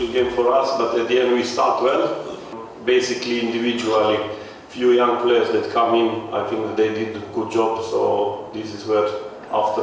kami berhasil mendapatkan dua gol kemudian kemudian kembali ke menit ke dua puluh dua